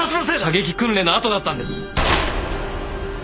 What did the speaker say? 射撃訓練の後だったんです。